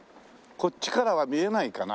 こっちからは見えないかな？